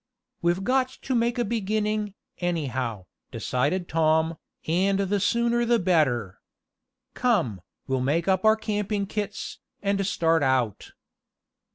"We've got to make a beginning, anyhow," decided Tom, "and the sooner the better. Come, we'll make up our camping kits, and start out."